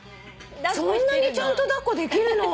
そんなにちゃんと抱っこできるの？